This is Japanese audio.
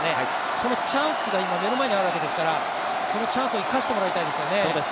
そのチャンスが今、目の前にあるわけですから、そのチャンスを生かしてもらいたいですよね。